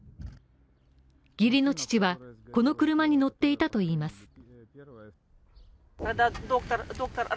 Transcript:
義理の父は、この車に乗っていたといいます。